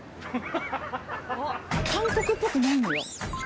韓国っぽくないのよ。